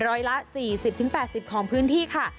ร้อยละ๔๐๘๐ของพื้นที่ค่ะ